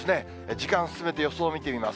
時間進めて予想を見てみます。